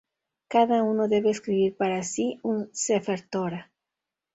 Cada uno debe escribir para sí un Sefer Torá